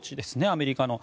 アメリカの。